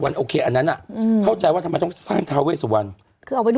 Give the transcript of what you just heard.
แล้วไม่รู้ว่าทิ้งมากี่ปีแล้ว